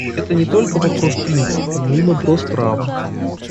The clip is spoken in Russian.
Это не только вопрос принципа, но и вопрос права.